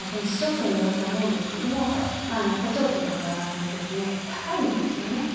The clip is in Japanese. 市町村によると思うんですけれども補聴器とかも高いんですよね。